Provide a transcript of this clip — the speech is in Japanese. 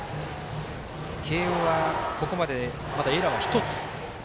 慶応は、ここまでまだエラーは１つ。